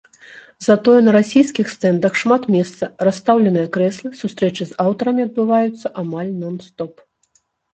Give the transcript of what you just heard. Затое на расійскіх стэндах шмат месца, расстаўленыя крэслы, сустрэчы з аўтарамі адбываюцца амаль нон-стоп.